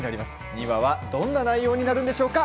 ２話はどんな内容になるんでしょうか？